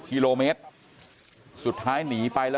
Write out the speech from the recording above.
กลุ่มตัวเชียงใหม่